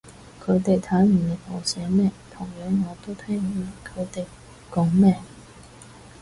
佢哋睇唔明我寫乜，同樣我都聽唔明佢哋講乜